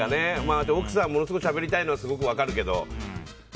奥さんはものすごくしゃべりたいのは分かるけど。